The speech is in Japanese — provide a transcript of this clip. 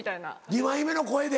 二枚目の声で？